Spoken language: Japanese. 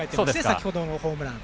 先ほどのホームラン。